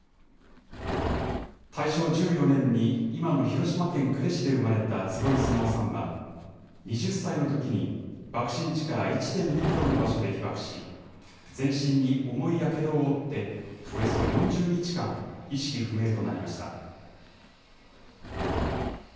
大正１４年に今の広島県呉市で生まれた坪井直さんは、２０歳のときに爆心地から１．２キロの場所で被爆し、全身に重いやけどを負って、およそ４０日間、意識不明となりました。